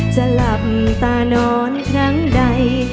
จะหลับตานอนครั้งใด